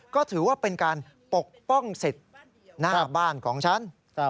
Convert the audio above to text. ก็ถือว่าเป็นการปกป้องสิทธิ์หน้าบ้านของฉัน